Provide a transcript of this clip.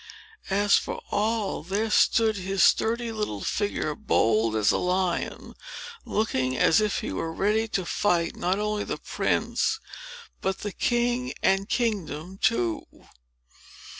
As for Noll, there stood his sturdy little figure, bold as a lion, looking as if he were ready to fight not only the prince, but the king and kingdom too.